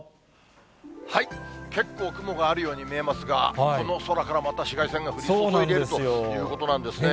結構雲があるように見えますが、この空からまた紫外線が降り注いでいるということなんですね。